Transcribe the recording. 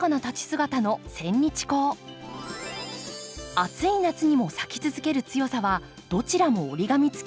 暑い夏にも咲き続ける強さはどちらも折り紙つき。